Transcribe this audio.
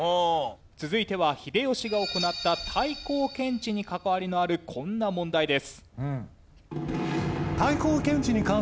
続いては秀吉が行った太閤検地に関わりのあるこんな問題です。